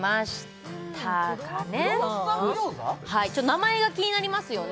名前が気になりますよね